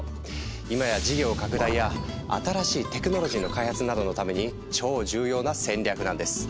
今や事業拡大や新しいテクノロジーの開発などのために超重要な戦略なんです。